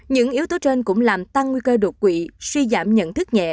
những yếu tố trên cũng làm tăng nguy cơ đột quỵ suy giảm nhận thức nhẹ